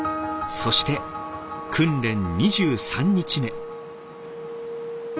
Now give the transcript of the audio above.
そして訓練２３日目。